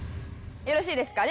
よろしいですか？